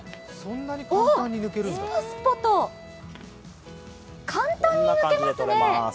スポスポと簡単に抜けますね。